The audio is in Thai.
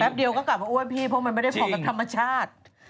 เดียวก็กลับมาอ้วนพี่เพราะมันไม่ได้เหมาะกับธรรมชาติ